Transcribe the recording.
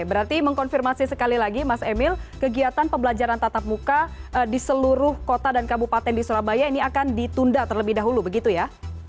berarti mengkonfirmasi sekali lagi mas emil kegiatan pembelajaran tatap muka di seluruh kota dan kabupaten di surabaya ini akan ditunda terlebih dahulu begitu ya